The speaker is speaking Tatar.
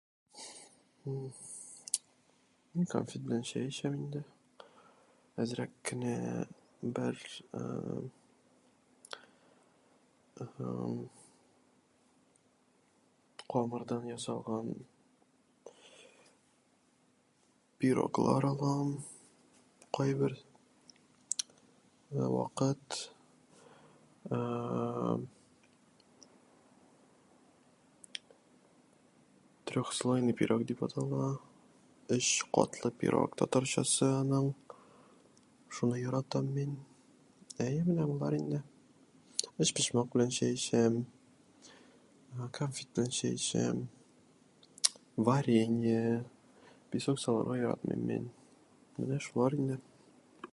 "Гм, мин кәнфит белән чәй эчәм инде. Әзрәк кына бер, ә-әм, х-хм, камырдан ясалган пироглар алам кайбер вакыт. Ә-ә-әм, ""трехслойный пирог"" дип аталма, ""өч катлы"" пирог татарчасы аның, шунды яратам мин. Әйе, менә болар инде. Өчпочмак белән чәй эчәм, ә-ә, кәнфит белән чай ичем, варенье, песок саларма яратмый мин. Менә шулар инде."